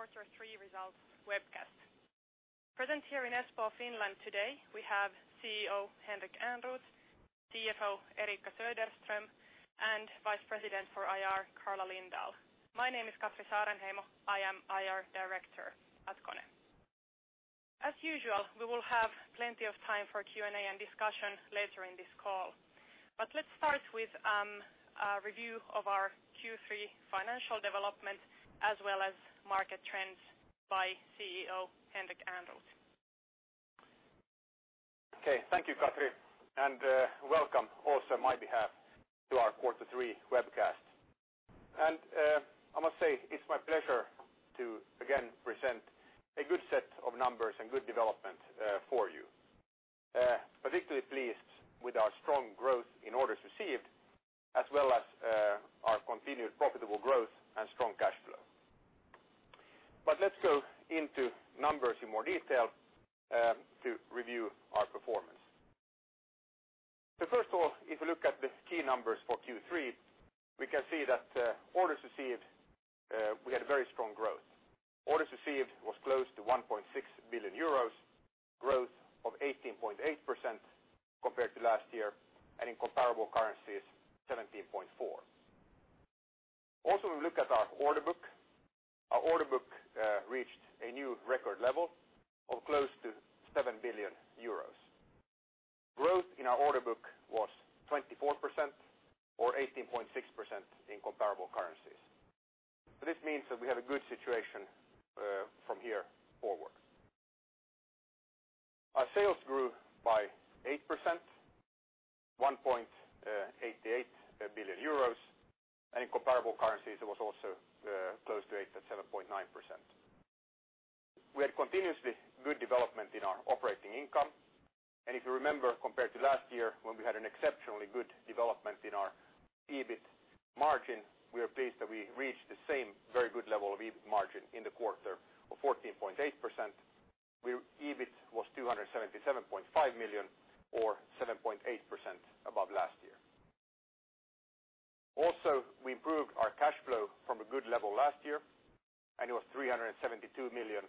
Welcome to KONE's Quarter 3 Results Webcast. Present here in Espoo, Finland today, we have CEO, Henrik Ehrnrooth, CFO, Eriikka Söderström, and Vice President for IR, Karla Lindahl. My name is Katri Saarenheimo. I am IR Director at KONE. As usual, we will have plenty of time for Q&A and discussion later in this call. Let's start with a review of our Q3 financial development as well as market trends by CEO Henrik Ehrnrooth. Thank you, Katri, and welcome also on my behalf to our Quarter 3 webcast. I must say, it's my pleasure to, again, present a good set of numbers and good development for you. Particularly pleased with our strong growth in orders received, as well as our continued profitable growth and strong cash flow. Let's go into numbers in more detail to review our performance. First of all, if you look at the key numbers for Q3, we can see that orders received, we had a very strong growth. Orders received was close to 1.6 billion euros, growth of 18.8% compared to last year, and in comparable currencies, 17.4%. If we look at our order book. Our order book reached a new record level of close to 7 billion euros. Growth in our order book was 24% or 18.6% in comparable currencies. This means that we have a good situation from here forward. Our sales grew by 8%, 1.88 billion euros, and in comparable currencies, it was also close to 8% at 7.9%. We had continuously good development in our operating income, and if you remember, compared to last year, when we had an exceptionally good development in our EBIT margin, we are pleased that we reached the same very good level of EBIT margin in the quarter of 14.8%, where EBIT was 277.5 million or 7.8% above last year. We improved our cash flow from a good level last year, and it was 372 million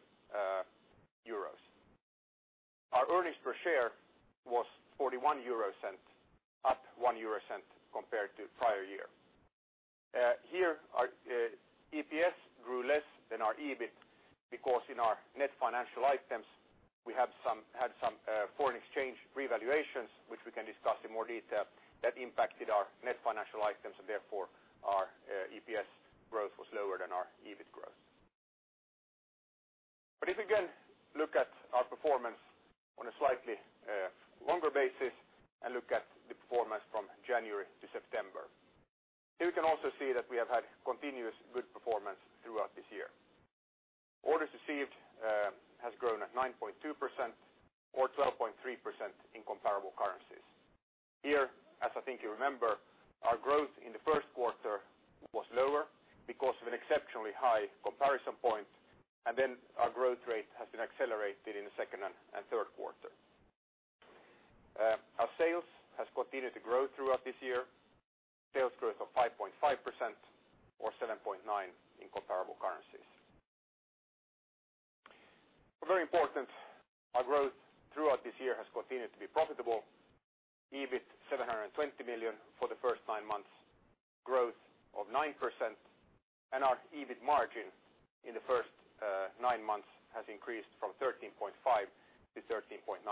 euros. Our earnings per share was 0.41, up 0.01 compared to prior year. Here, our EPS grew less than our EBIT because in our net financial items, we had some foreign exchange revaluations, which we can discuss in more detail, that impacted our net financial items, and therefore, our EPS growth was lower than our EBIT growth. If we can look at our performance on a slightly longer basis and look at the performance from January to September. Here we can also see that we have had continuous good performance throughout this year. Orders received has grown at 9.2% or 12.3% in comparable currencies. Here, as I think you remember, our growth in the first quarter was lower because of an exceptionally high comparison point, and then our growth rate has been accelerated in the second and third quarter. Our sales has continued to grow throughout this year. Sales growth of 5.5% or 7.9% in comparable currencies. Very important, our growth throughout this year has continued to be profitable. EBIT 720 million for the first nine months, growth of 9%, and our EBIT margin in the first nine months has increased from 13.5% to 13.9%.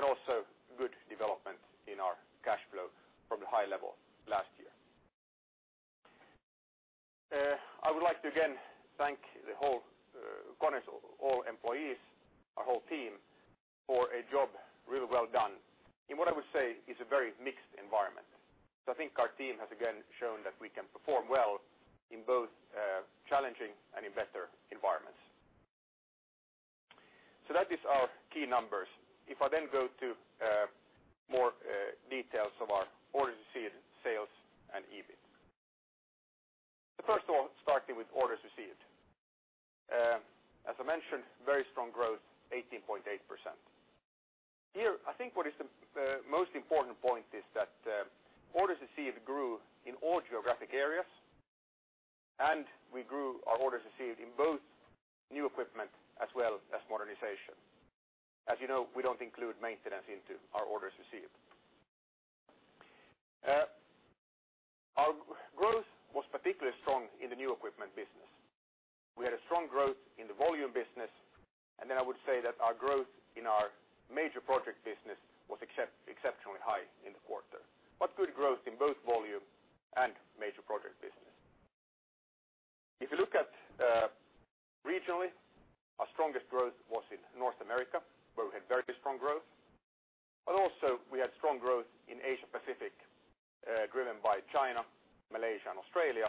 Also good development in our cash flow from the high level last year. I would like to again thank the whole KONE's all employees, our whole team, for a job really well done in what I would say is a very mixed environment. I think our team has again shown that we can perform well in both challenging and in better environments. That is our key numbers. If I go to more details of our orders received, sales, and EBIT. First of all, starting with orders received. As I mentioned, very strong growth, 18.8%. Here, I think what is the most important point is that orders received grew in all geographic areas, and we grew our orders received in both new equipment as well as modernization. As you know, we don't include maintenance into our orders received. Our growth was particularly strong in the new equipment business. We had a strong growth in the volume business, and then I would say that our growth in our major project business was exceptionally high in the quarter. Good growth in both volume and major project business. If you look at regionally, our strongest growth was in North America, where we had very strong growth. Also we had strong growth in Asia-Pacific, driven by China, Malaysia, and Australia.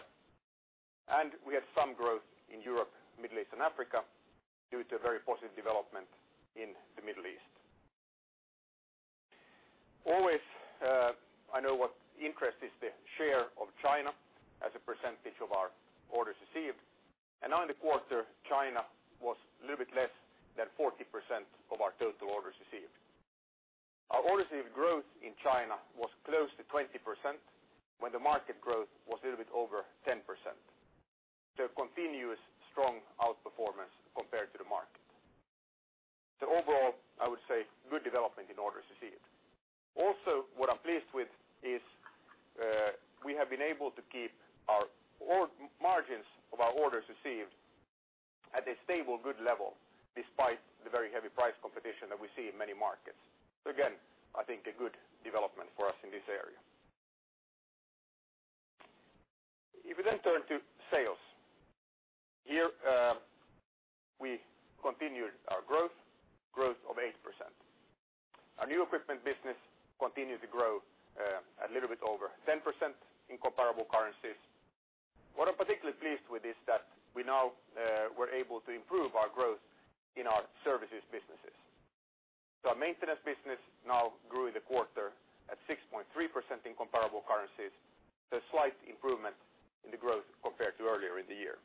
We had some growth in Europe, Middle East, and Africa due to a very positive development in the Middle East. Always, I know what interest is the share of China as a percentage of our orders received. Now in the quarter, China was a little bit less than 40% of our total orders received. Our orders growth in China was close to 20%, when the market growth was a little bit over 10%. Continuous strong outperformance compared to the market. Overall, I would say good development in orders received. Also, what I'm pleased with is, we have been able to keep our margins of our orders received at a stable, good level, despite the very heavy price competition that we see in many markets. Again, I think a good development for us in this area. If we turn to sales. Here, we continued our growth of 8%. Our new equipment business continued to grow a little bit over 10% in comparable currencies. What I'm particularly pleased with is that we now were able to improve our growth in our services businesses. Our maintenance business now grew in the quarter at 6.3% in comparable currencies, so a slight improvement in the growth compared to earlier in the year.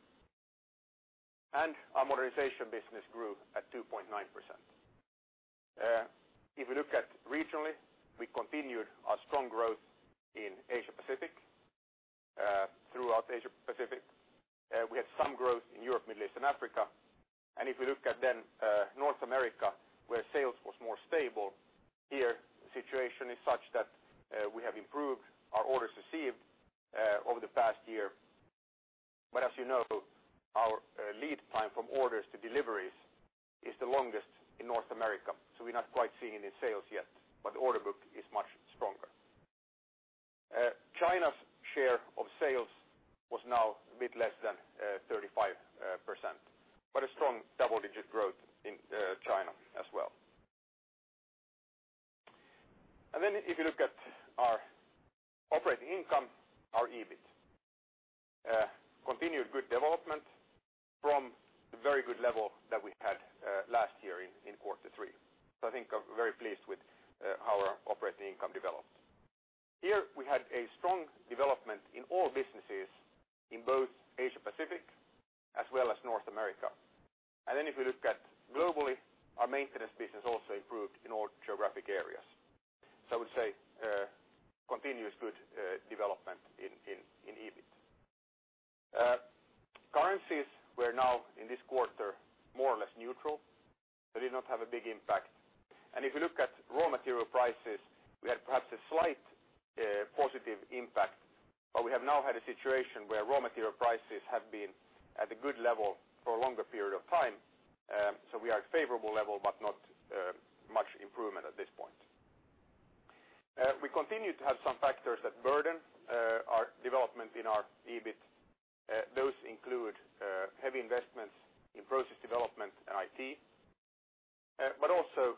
Our modernization business grew at 2.9%. If we look at regionally, we continued our strong growth in Asia Pacific. Throughout Asia Pacific. We had some growth in Europe, Middle East, and Africa. If we look at North America, where sales was more stable, here the situation is such that we have improved our orders received over the past year. As you know, our lead time from orders to deliveries is the longest in North America, so we're not quite seeing it in sales yet, but the order book is much stronger. China's share of sales was now a bit less than 35%, but a strong double-digit growth in China as well. If you look at our operating income, our EBIT. Continued good development from the very good level that we had last year in quarter three. I think I'm very pleased with how our operating income developed. Here, we had a strong development in all businesses in both Asia Pacific as well as North America. If we look at globally, our maintenance business also improved in all geographic areas. I would say continuous good development in EBIT. Currencies were now, in this quarter, more or less neutral. They did not have a big impact. If you look at raw material prices, we had perhaps a slight positive impact, but we have now had a situation where raw material prices have been at a good level for a longer period of time. We are at a favorable level, but not much improvement at this point. We continue to have some factors that burden our development in our EBIT. Those include heavy investments in process development and IT, but also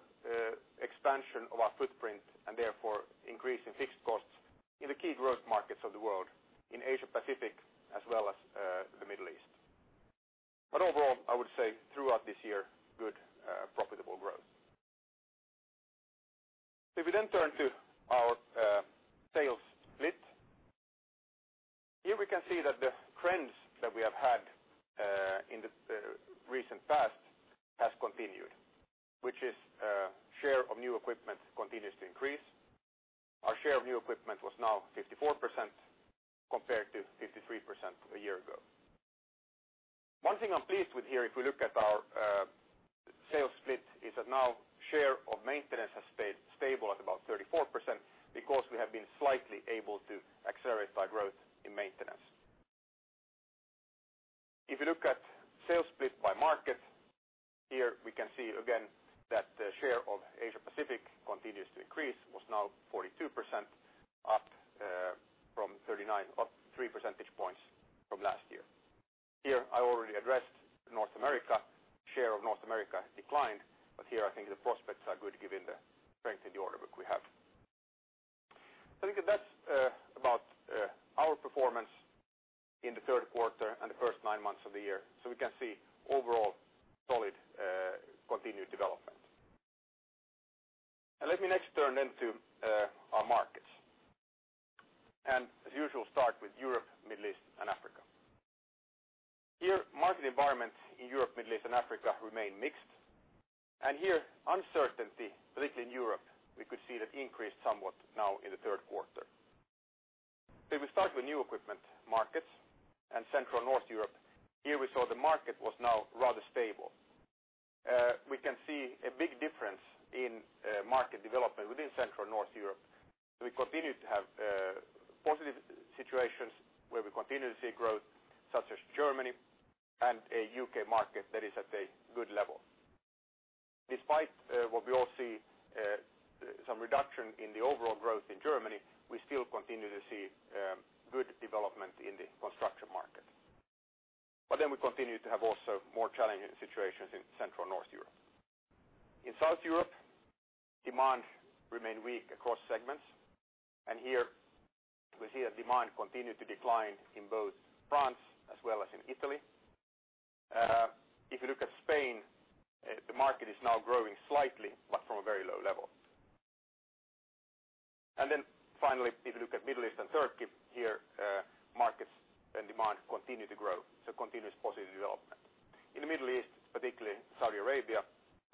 expansion of our footprint and therefore increase in fixed costs in the key growth markets of the world in Asia Pacific as well as the Middle East. Overall, I would say throughout this year, good profitable growth. If we turn to our sales split. Here we can see that the trends that we have had in the recent past has continued, which is share of new equipment continues to increase. Our share of new equipment was now 54% compared to 53% a year ago. One thing I'm pleased with here, if we look at our sales split, is that now share of maintenance has stayed stable at about 34% because we have been slightly able to accelerate our growth in maintenance. If you look at sales split by market, here we can see again that the share of Asia Pacific continues to increase, was now 42% up from 39%. Up three percentage points from last year. Here I already addressed North America. Share of North America declined, but here I think the prospects are good given the strength in the order book we have. I think that's about our performance in the third quarter and the first nine months of the year. We can see overall solid continued development. Let me next turn then to our markets. As usual start with Europe, Middle East, and Africa. Here, market environment in Europe, Middle East, and Africa remain mixed. Here, uncertainty, particularly in Europe, we could see that increased somewhat now in the third quarter. If we start with new equipment markets and Central North Europe, here we saw the market was now rather stable. We can see a big difference in market development within Central and North Europe. We continue to have positive situations where we continue to see growth, such as Germany and a U.K. market that is at a good level. Despite what we all see, some reduction in the overall growth in Germany, we still continue to see good development in the construction market. We continue to have also more challenging situations in Central and North Europe. In South Europe, demand remained weak across segments, here we see that demand continued to decline in both France as well as in Italy. If you look at Spain, the market is now growing slightly, but from a very low level. Finally, if you look at Middle East and Turkey, here markets and demand continue to grow, so continuous positive development. In the Middle East, particularly Saudi Arabia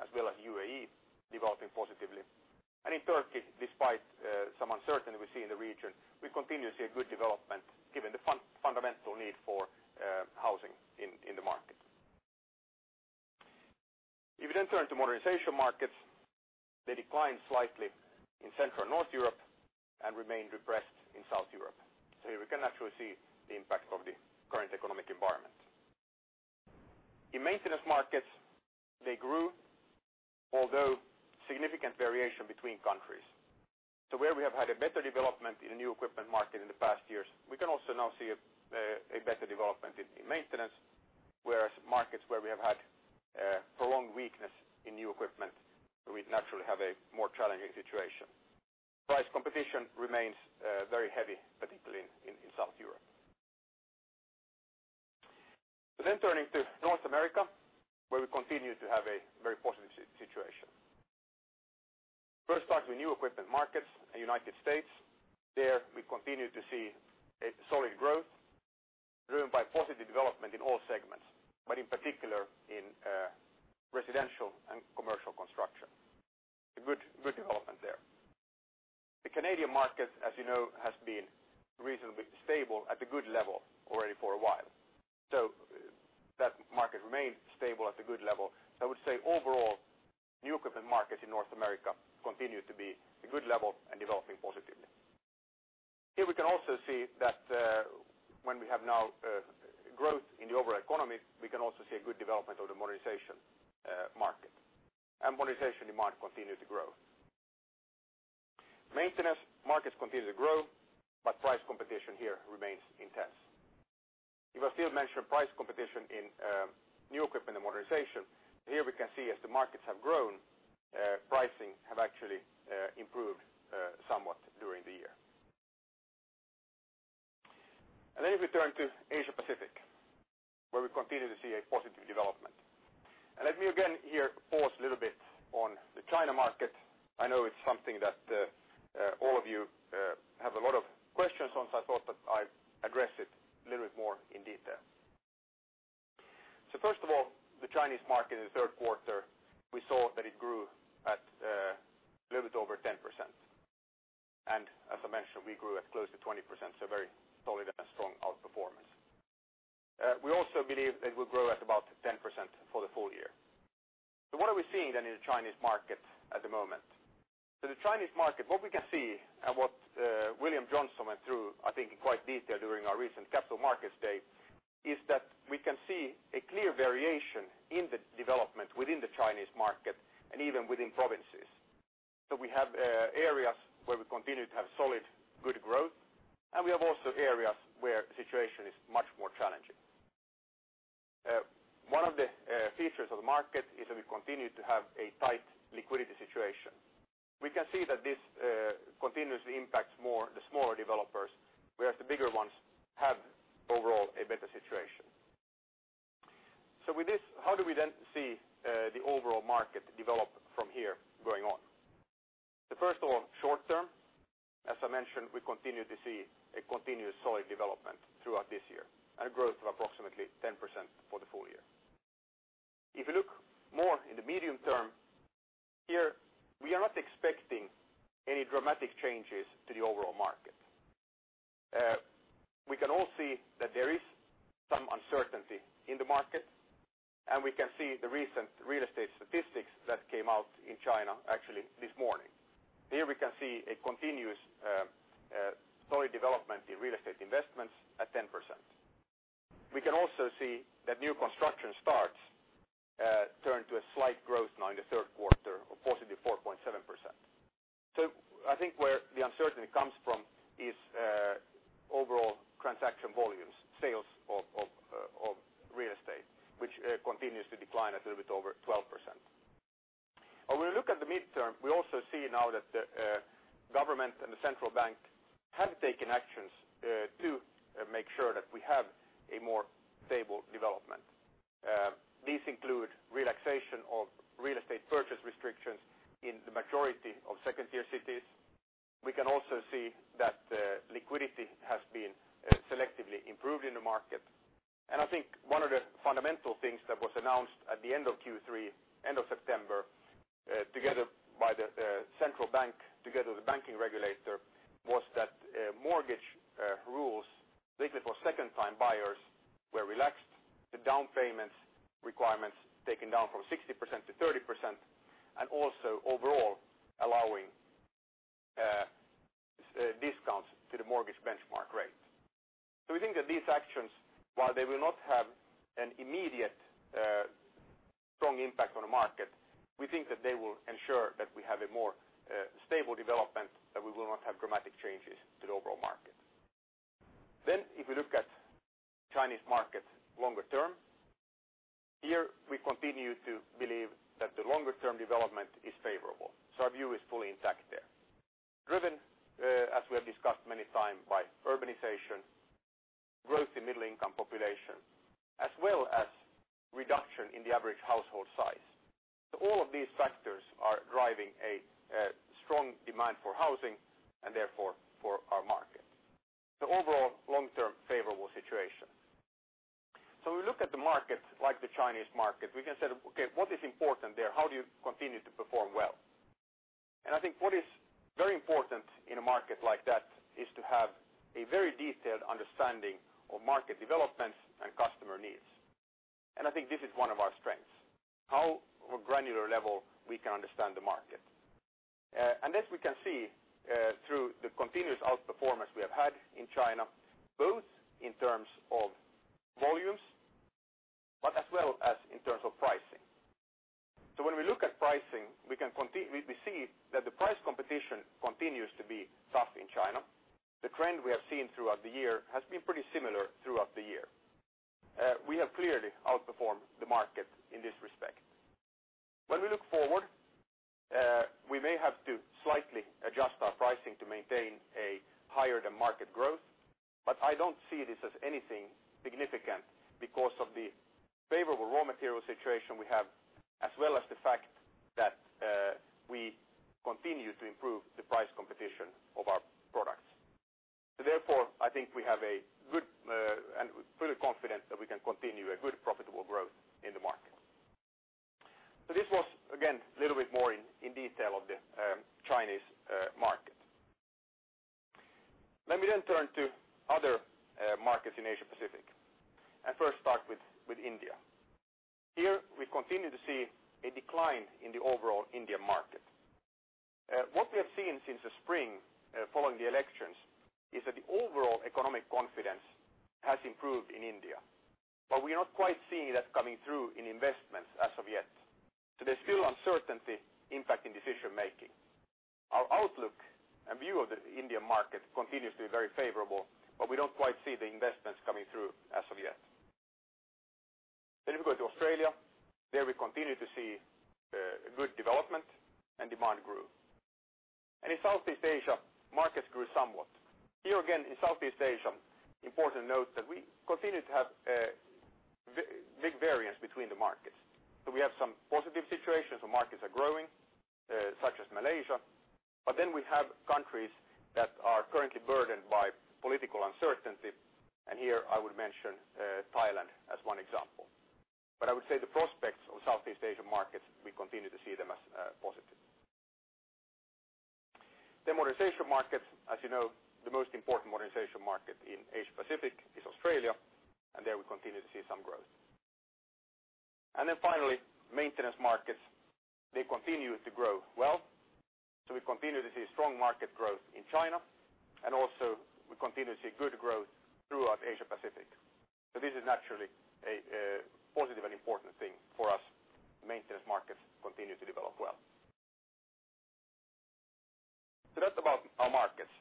as well as UAE, developing positively. In Turkey, despite some uncertainty we see in the region, we continue to see a good development given the fundamental need for housing in the market. If you then turn to modernization markets, they declined slightly in Central North Europe and remained depressed in South Europe. Here we can actually see the impact of the current economic environment. In maintenance markets, they grew, although significant variation between countries. Where we have had a better development in the new equipment market in the past years, we can also now see a better development in maintenance, whereas markets where we have had prolonged weakness in new equipment, we naturally have a more challenging situation. Price competition remains very heavy, particularly in South Europe. Turning to North America, where we continue to have a very positive situation. First start with new equipment markets in U.S. There we continue to see a solid growth driven by positive development in all segments, but in particular in residential and commercial construction. A good development there. The Canadian market, as you know, has been reasonably stable at a good level already for a while. That market remained stable at a good level. I would say overall, new equipment markets in North America continue to be a good level and developing positively. Here we can also see that when we have now growth in the overall economy, we can also see a good development of the modernization market. Modernization demand continue to grow. Maintenance markets continue to grow, price competition here remains intense. If I still mention price competition in new equipment and modernization, here we can see as the markets have grown, pricing have actually improved somewhat during the year. If we turn to Asia Pacific, where we continue to see a positive development. Let me again here pause a little bit on the China market. I know it's something that all of you have a lot of questions on, I thought that I'd address it a little bit more in detail. First of all, the Chinese market in the third quarter, we saw that it grew at a little bit over 10%. As I mentioned, we grew at close to 20%, very solid and a strong outperformance. We also believe it will grow at about 10% for the full year. What are we seeing then in the Chinese market at the moment? The Chinese market, what we can see and what William Johnson went through, I think in quite detail during our recent capital markets day, is that we can see a clear variation in the development within the Chinese market and even within provinces. We have areas where we continue to have solid, good growth, we have also areas where the situation is much more challenging. One of the features of the market is that we continue to have a tight liquidity situation. We can see that this continuously impacts the smaller developers, whereas the bigger ones have overall a better situation. With this, how do we then see the overall market develop from here going on? First of all, short term, as I mentioned, we continue to see a continuous solid development throughout this year and a growth of approximately 10% for the full year. If you look more in the medium term, here, we are not expecting any dramatic changes to the overall market. We can all see that there is some uncertainty in the market, and we can see the recent real estate statistics that came out in China actually this morning. Here we can see a continuous solid development in real estate investments at 10%. We can also see that new construction starts turn to a slight growth now in the third quarter of positive 4.7%. I think where the uncertainty comes from is overall transaction volumes, sales of real estate, which continues to decline a little bit over 12%. When we look at the midterm, we also see now that the government and the central bank have taken actions to make sure that we have a more stable development. These include relaxation of real estate purchase restrictions in the majority of 2nd-tier cities. We can also see that liquidity has been selectively improved in the market. I think one of the fundamental things that was announced at the end of Q3, end of September, by the central bank together with the banking regulator, was that mortgage rules, basically for second-time buyers, were relaxed. The down payments requirements taken down from 60% to 30%, and also overall allowing discounts to the mortgage benchmark rate. We think that these actions, while they will not have an immediate strong impact on the market, we think that they will ensure that we have a more stable development, that we will not have dramatic changes to the overall market. If we look at Chinese market longer term, here we continue to believe that the longer-term development is favorable. Our view is fully intact there. Driven, as we have discussed many time, by urbanization growth in middle income population, as well as reduction in the average household size. All of these factors are driving a strong demand for housing and therefore for our market. Overall, long-term favorable situation. We look at the market like the Chinese market, we can say, okay, what is important there? How do you continue to perform well? I think what is very important in a market like that is to have a very detailed understanding of market developments and customer needs. I think this is one of our strengths, how on a granular level we can understand the market. This we can see through the continuous outperformance we have had in China, both in terms of volumes but as well as in terms of pricing. When we look at pricing, we see that the price competition continues to be tough in China. The trend we have seen throughout the year has been pretty similar throughout the year. We have clearly outperformed the market in this respect. When we look forward, we may have to slightly adjust our pricing to maintain a higher than market growth. I don't see this as anything significant because of the favorable raw material situation we have, as well as the fact that we continue to improve the price competition of our products. Therefore, I think we have a good and fully confident that we can continue a good profitable growth in the market. This was, again, a little bit more in detail of the Chinese market. Let me turn to other markets in Asia Pacific and first start with India. Here we continue to see a decline in the overall India market. What we have seen since the spring following the elections is that the overall economic confidence has improved in India. We are not quite seeing that coming through in investments as of yet. There's still uncertainty impacting decision making. Our outlook and view of the India market continues to be very favorable, but we don't quite see the investments coming through as of yet. If we go to Australia, there we continue to see a good development and demand grew. In Southeast Asia, markets grew somewhat. Here again, in Southeast Asia, important to note that we continue to have big variance between the markets. We have some positive situations where markets are growing, such as Malaysia. We have countries that are currently burdened by political uncertainty. Here I would mention Thailand as one example. I would say the prospects of Southeast Asian markets, we continue to see them as positive. Modernization markets. As you know, the most important modernization market in Asia Pacific is Australia, and there we continue to see some growth. Finally, maintenance markets, they continue to grow well. We continue to see strong market growth in China, and also we continue to see good growth throughout Asia Pacific. This is naturally a positive and important thing for us. Maintenance markets continue to develop well. That's about our markets.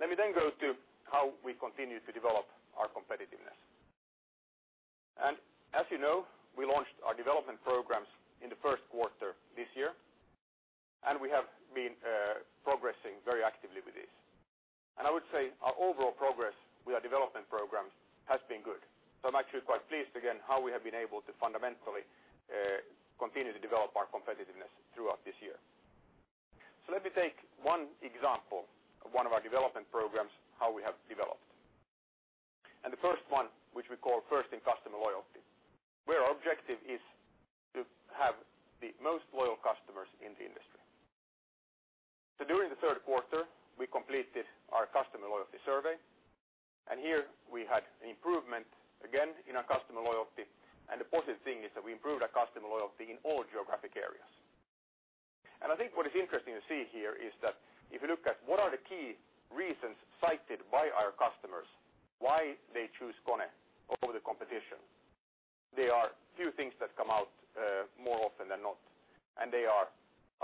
Let me go to how we continue to develop our competitiveness. As you know, we launched our development programs in the first quarter this year, and we have been progressing very actively with this. I would say our overall progress with our development programs has been good. I'm actually quite pleased again how we have been able to fundamentally continue to develop our competitiveness throughout this year. Let me take one example of one of our development programs, how we have developed. The first one, which we call first in customer loyalty, where our objective is to have the most loyal customers in the industry. During the third quarter, we completed our customer loyalty survey, and here we had an improvement again in our customer loyalty. The positive thing is that we improved our customer loyalty in all geographic areas. I think what is interesting to see here is that if you look at what are the key reasons cited by our customers why they choose KONE over the competition, there are few things that come out more often than not. They are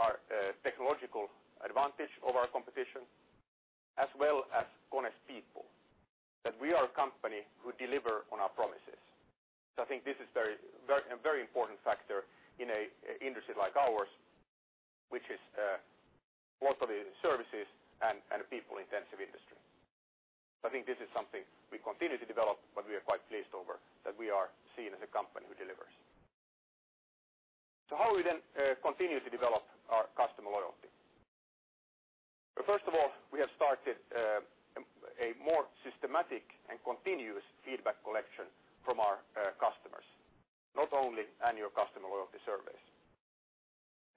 our technological advantage over our competition as well as KONE's people, that we are a company who deliver on our promises. This is a very important factor in an industry like ours, which is both a services and a people intensive industry. I think this is something we continue to develop, but we are quite pleased over that we are seen as a company who delivers. How we then continue to develop our customer loyalty. First of all, we have started a more systematic and continuous feedback collection from our customers, not only annual customer loyalty surveys.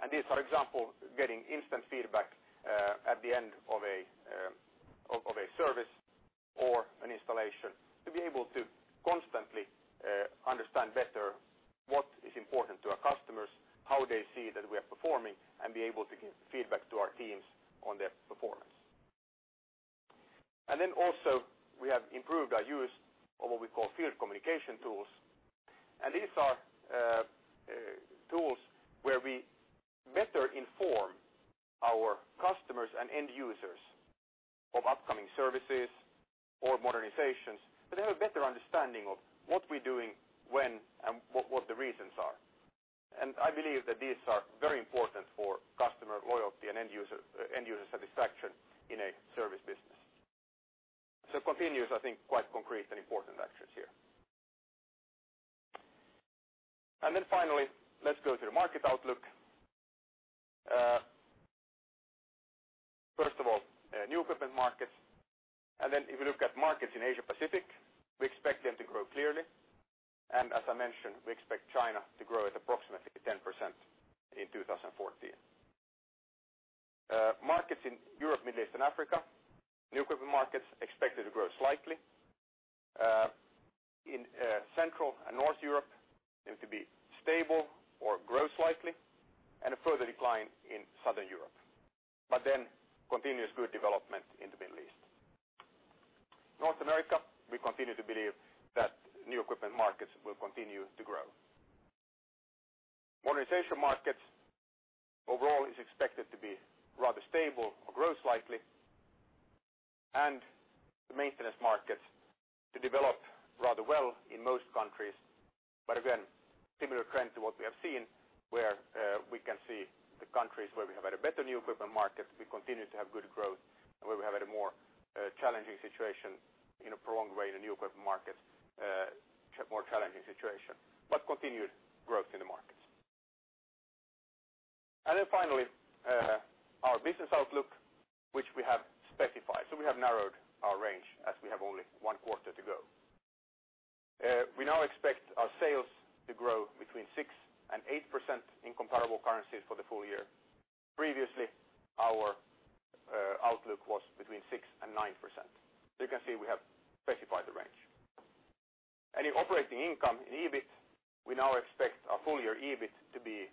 These are, for example, getting instant feedback at the end of a service or an installation to be able to constantly understand better what is important to our customers, how they see that we are performing, and be able to give feedback to our teams on their performance. Then also we have improved our use of what we call field communication tools. These are tools where we better inform our customers and end users of upcoming services or modernizations so they have a better understanding of what we are doing, when, and what the reasons are. I believe that these are very important for customer loyalty and end user satisfaction in a service business. Continuous, I think, quite concrete and important actions here. Finally, let's go to the market outlook. First of all, new equipment markets. If we look at markets in Asia Pacific, we expect them to grow clearly. As I mentioned, we expect China to grow at approximately 10% in 2014. Markets in Europe, Middle East, and Africa, new equipment markets expected to grow slightly. In Central and North Europe, they are to be stable or grow slightly and a further decline in Southern Europe. Continuous good development in the Middle East. North America, we continue to believe that new equipment markets will continue to grow. Modernization markets overall is expected to be rather stable or grow slightly, and the maintenance markets to develop rather well in most countries. Again, similar trend to what we have seen where we can see the countries where we have had a better new equipment market, we continue to have good growth and where we have had a more challenging situation in a prolonged way in the new equipment market, more challenging situation, but continued growth in the markets. Finally, our business outlook, which we have specified. We have narrowed our range as we have only one quarter to go. We now expect our sales to grow between 6%-8% in comparable currencies for the full year. Previously, our outlook was between 6%-9%. You can see we have specified the range. In operating income and EBIT, we now expect our full year EBIT to be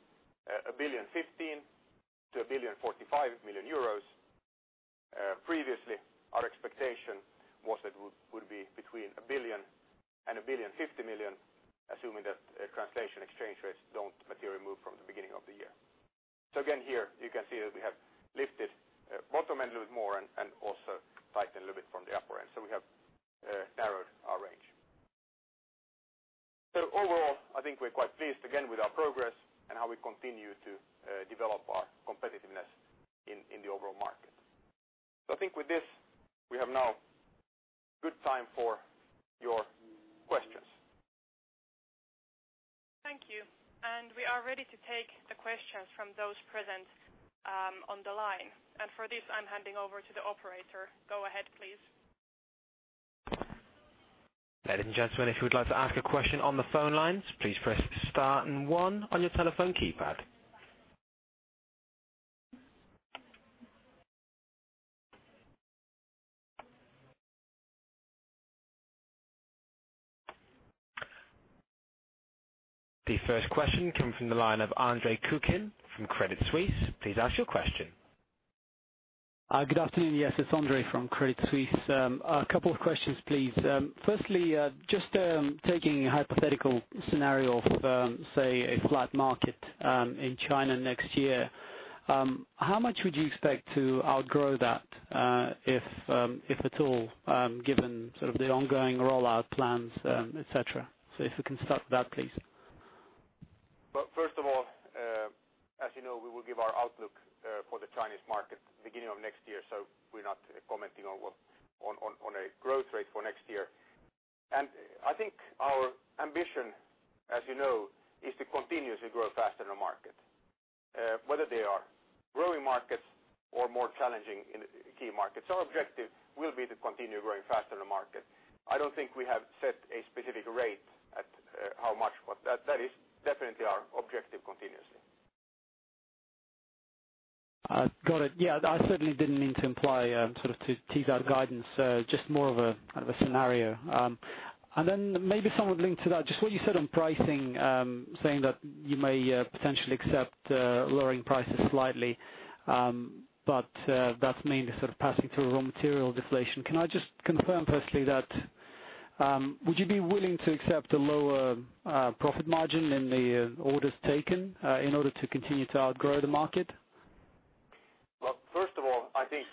1.015 billion-1.045 billion euros. Previously, our expectation was that it would be between 1 billion and 1.050 billion, assuming that translation exchange rates don't materially move from the beginning of the year. Again, here you can see that we have lifted bottom end a little more and also tightened a little bit from the upper end. We have narrowed our range. Overall, I think we are quite pleased again with our progress and how we continue to develop our competitiveness in the overall market. I think with this, we have now good time for your questions. Thank you. We are ready to take the questions from those present on the line. For this, I'm handing over to the operator. Go ahead, please. Ladies and gentlemen, if you would like to ask a question on the phone lines, please press star and one on your telephone keypad. The first question came from the line of Andre Kukhnin from Credit Suisse. Please ask your question. Good afternoon. Yes, it's Andre from Credit Suisse. A couple of questions, please. Firstly, just taking a hypothetical scenario of, say, a flat market in China next year. How much would you expect to outgrow that if at all, given sort of the ongoing rollout plans, et cetera? If we can start with that, please. First of all, as you know, we will give our outlook for the Chinese market beginning of next year, so we're not commenting on a growth rate for next year. I think our ambition, as you know, is to continuously grow faster than the market. Whether they are growing markets or more challenging in key markets, our objective will be to continue growing faster than the market. I don't think we have set a specific rate at how much, but that is definitely our objective continuously. Got it. Yeah, I certainly didn't mean to imply sort of to tease out guidance, just more of a scenario. Then maybe somewhat linked to that, just what you said on pricing, saying that you may potentially accept lowering prices slightly. That's mainly sort of passing through a raw material deflation. Can I just confirm firstly that, would you be willing to accept a lower profit margin in the orders taken in order to continue to outgrow the market? Well, first of all, I think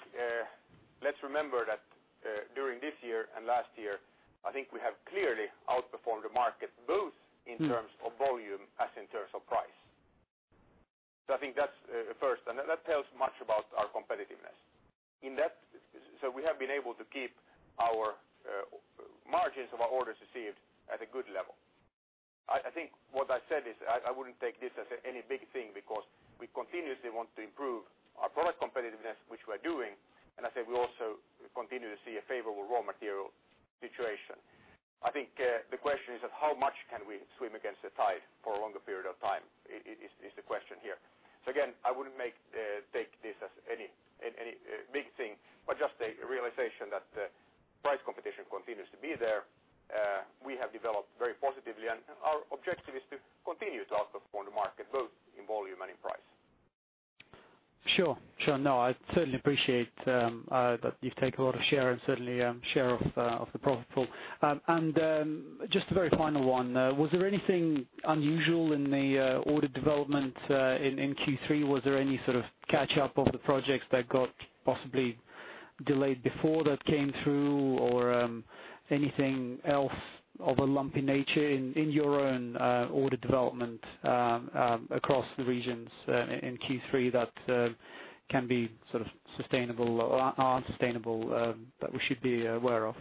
let's remember that during this year and last year, I think we have clearly outperformed the market both in terms of volume as in terms of price. I think that's first, and that tells much about our competitiveness. We have been able to keep our margins of our orders received at a good level. I think what I said is I wouldn't take this as any big thing because we continuously want to improve our product competitiveness, which we're doing. I say we also continue to see a favorable raw material situation. I think the question is of how much can we swim against the tide for a longer period of time, is the question here. Again, I wouldn't take this as any big thing, but just a realization that price competition continues to be there. We have developed very positively, our objective is to continue to outperform the market, both in volume and in price. Sure. No, I certainly appreciate that you've taken a lot of share and certainly share of the profit pool. Just a very final one. Was there anything unusual in the order development in Q3? Was there any sort of catch up of the projects that got possibly delayed before that came through or anything else of a lumpy nature in your own order development across the regions in Q3 that can be sort of sustainable or aren't sustainable that we should be aware of?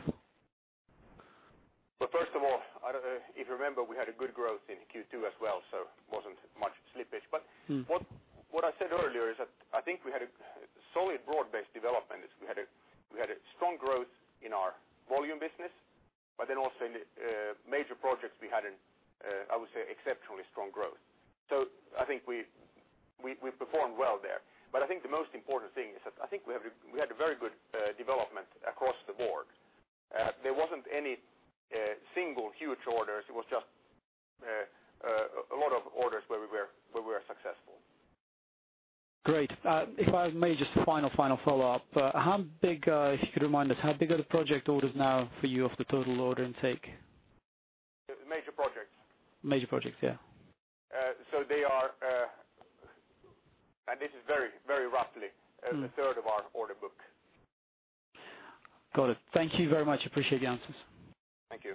First of all, I don't know if you remember, we had a good growth in Q2 as well, so it wasn't much slippage. What I said earlier is that I think we had a solid broad-based development. We had a strong growth in our volume business, but then also in the major projects we had, I would say, exceptionally strong growth. I think we performed well there. I think the most important thing is that I think we had a very good development across the board. There wasn't any single huge orders. It was just a lot of orders where we were successful. Great. If I may, just a final follow-up, if you could remind us, how big are the project orders now for you of the total order intake? Major projects? Major projects, yeah. They are, and this is very roughly, a third of our order book. Got it. Thank you very much. Appreciate the answers. Thank you.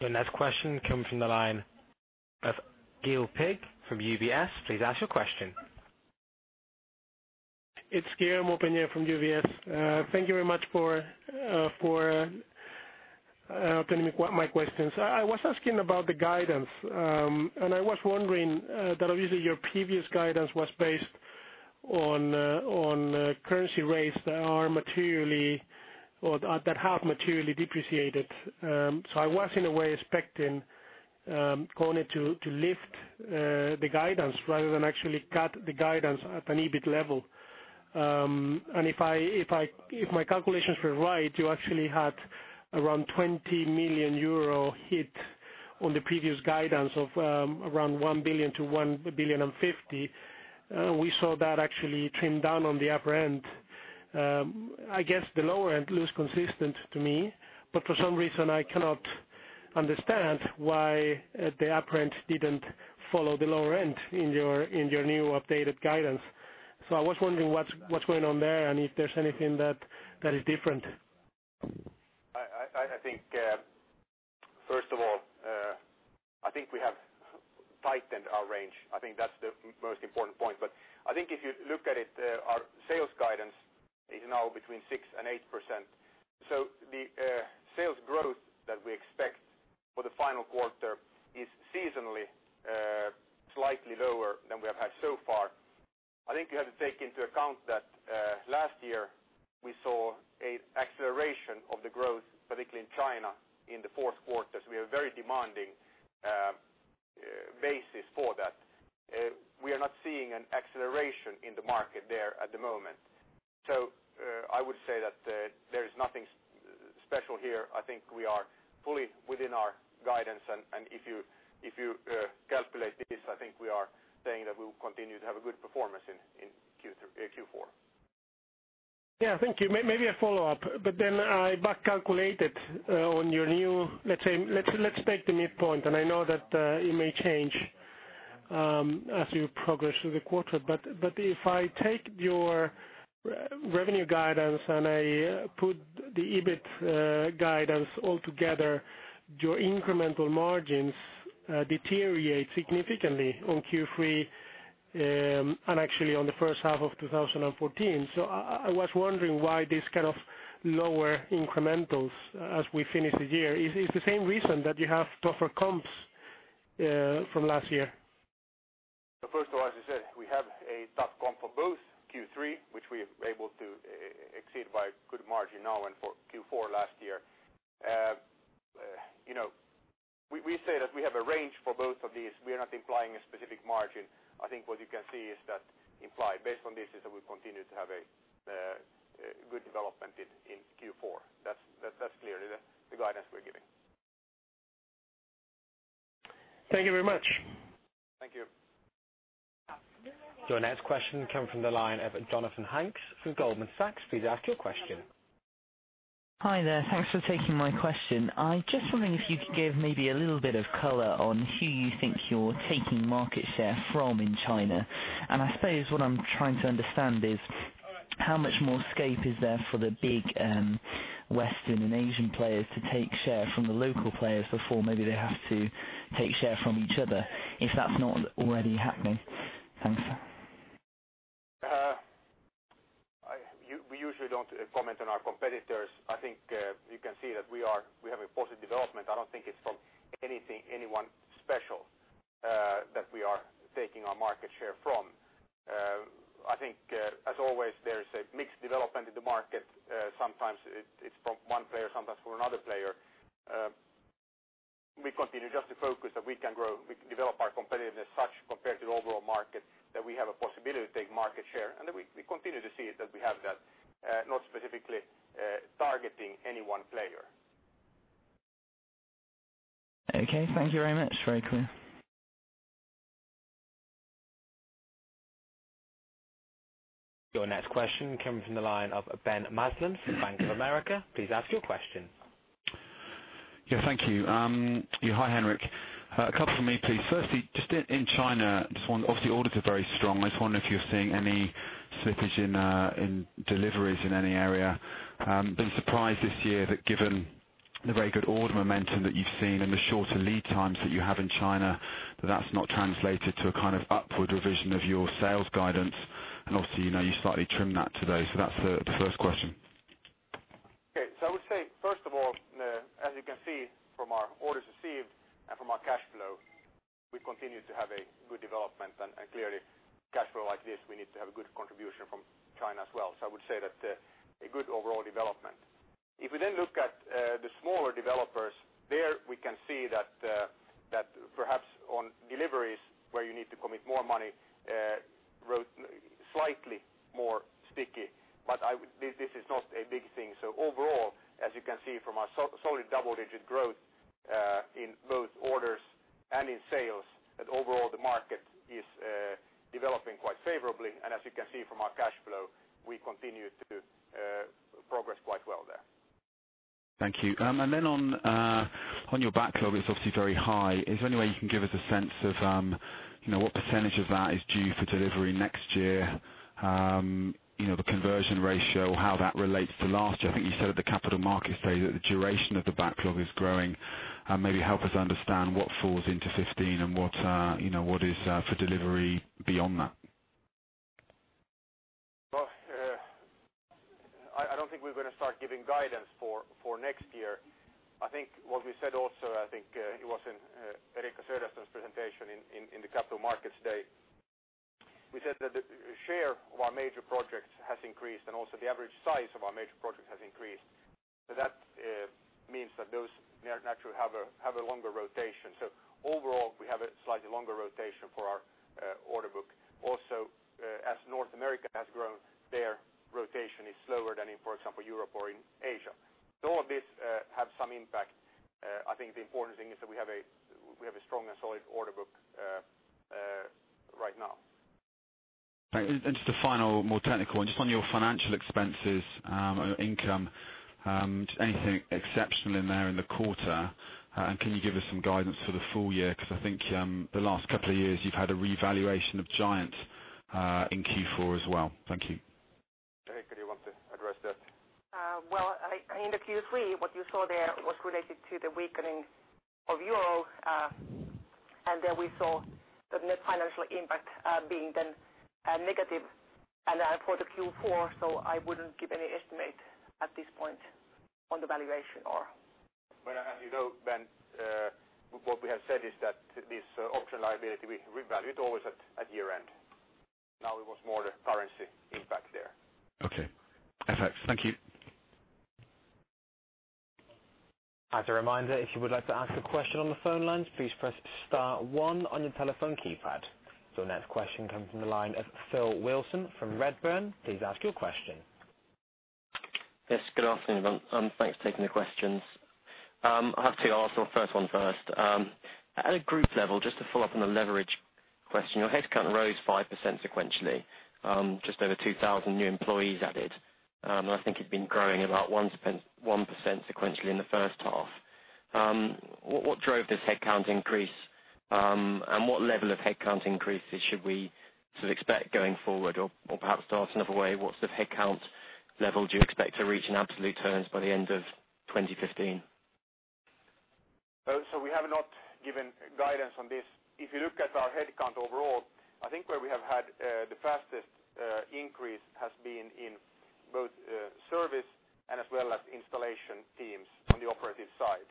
Your next question comes from the line of Guillaume Peigne from UBS. Please ask your question. It's Guillaume Peigne from UBS. Thank you very much for letting me my questions. I was asking about the guidance. I was wondering that obviously your previous guidance was based on currency rates that have materially depreciated. I was, in a way, expecting KONE to lift the guidance rather than actually cut the guidance at an EBIT level. If my calculations were right, you actually had around 20 million euro hit on the previous guidance of around 1 billion-1.05 billion. We saw that actually trimmed down on the upper end. I guess the lower end looks consistent to me, but for some reason, I cannot understand why the upper end didn't follow the lower end in your new updated guidance. I was wondering what's going on there and if there's anything that is different. I think, first of all, I think we have tightened our range. I think that's the most important point. I think if you look at it, our sales guidance is now between 6% and 8%. The sales growth that we expect for the final quarter is seasonally slightly lower than we have had so far. I think you have to take into account that last year we saw an acceleration of the growth, particularly in China in the fourth quarter. We have very demanding basis for that. We are not seeing an acceleration in the market there at the moment. I would say that there is nothing special here. I think we are fully within our guidance, and if you calculate this, I think we are saying that we will continue to have a good performance in Q4. Yeah, thank you. Maybe a follow-up. I back calculated on your new, let's take the midpoint, and I know that it may change as you progress through the quarter, but if I take your revenue guidance, and I put the EBIT guidance all together, your incremental margins deteriorate significantly on Q3, and actually on the first half of 2014. I was wondering why this kind of lower incrementals as we finish the year. Is the same reason that you have tougher comps from last year? First of all, as I said, we have a tough comp for both Q3, which we're able to exceed by a good margin now and for Q4 last year. We say that we have a range for both of these. We are not implying a specific margin. I think what you can see is that implied based on this is that we'll continue to have a good development in Q4. That's clearly the guidance we're giving. Thank you very much. Thank you. Your next question comes from the line of Jonathan Hanks from Goldman Sachs. Please ask your question. Hi there. Thanks for taking my question. I'm just wondering if you could give maybe a little bit of color on who you think you're taking market share from in China. I suppose what I'm trying to understand is how much more scope is there for the big Western and Asian players to take share from the local players before maybe they have to take share from each other, if that's not already happening. Thanks. We usually don't comment on our competitors. I think you can see that we have a positive development. I don't think it's from anyone special that we are taking our market share from. I think, as always, there is a mixed development in the market. Sometimes it's from one player, sometimes for another player. We continue just to focus that we can grow, we can develop our competitiveness such compared to the overall market, that we have a possibility to take market share, and we continue to see it that we have that, not specifically targeting any one player. Okay. Thank you very much. Very clear. Your next question comes from the line of Ben Maslin from Bank of America. Please ask your question Thank you. Hi, Henrik. A couple from me, please. Firstly, in China, obviously orders are very strong. I wonder if you are seeing any slippage in deliveries in any area. I have been surprised this year that given the very good order momentum that you have seen and the shorter lead times that you have in China, that has not translated to a kind of upward revision of your sales guidance. Obviously, you slightly trimmed that today. That is the first question. I would say, first of all, as you can see from our orders received and from our cash flow, we continue to have a good development, and clearly cash flow like this, we need to have a good contribution from China as well. I would say that is a good overall development. If we look at the smaller developers, there we can see that perhaps on deliveries where you need to commit more money, slightly more sticky. This is not a big thing. Overall, as you can see from our solid double-digit growth in both orders and in sales, that overall the market is developing quite favorably. As you can see from our cash flow, we continue to progress quite well there. Thank you. On your backlog, it is obviously very high. Is there any way you can give us a sense of what percentage of that is due for delivery next year? The conversion ratio, how that relates to last year. I think you said at the Capital Markets Day that the duration of the backlog is growing. Maybe help us understand what falls into 2015 and what is for delivery beyond that. I do not think we are going to start giving guidance for next year. I think what we said also, I think it was in Eriikka Söderström's presentation in the Capital Markets Day. We said that the share of our major projects has increased and also the average size of our major projects has increased. That means that those naturally have a longer rotation. Overall, we have a slightly longer rotation for our order book. As North America has grown, their rotation is slower than in, for example, Europe or in Asia. All of these have some impact. I think the important thing is that we have a strong and solid order book right now. Just a final, more technical one. Just on your financial expenses, income, anything exceptional in there in the quarter? Can you give us some guidance for the full year? I think the last couple of years you've had a revaluation of GiantKONE in Q4 as well. Thank you. Eriikka, do you want to address that? In the Q3, what you saw there was related to the weakening of EUR. There we saw the net financial impact being then negative. For the Q4, I wouldn't give any estimate at this point on the valuation or. As you know, Ben, what we have said is that this option liability will be revalued always at year-end. It was more the currency impact there. Okay. Perfect. Thank you. As a reminder, if you would like to ask a question on the phone lines, please press star one on your telephone keypad. The next question comes from the line of Phil Wilson from Redburn. Please ask your question. Yes, good afternoon, everyone. Thanks for taking the questions. I have two. I'll ask the first one first. At a group level, just to follow up on the leverage question, your headcount rose 5% sequentially, just over 2,000 new employees added. I think you've been growing about 1% sequentially in the first half. What drove this headcount increase? What level of headcount increases should we sort of expect going forward? Perhaps to ask another way, what sort of headcount level do you expect to reach in absolute terms by the end of 2015? We have not given guidance on this. If you look at our headcount overall, I think where we have had the fastest increase has been in both service and as well as installation teams on the operative side.